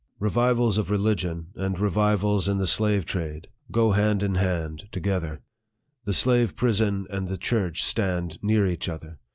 Revivals of religion and revivals in the slave trade go 120 APPENDIX TO THE hand in hand together. The slave prison and the church stand near each other.